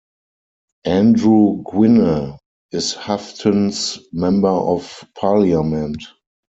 Andrew Gwynne is Haughton's Member of Parliament.